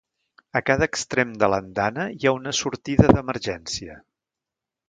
A cada extrem de l'andana hi ha una sortida d'emergència.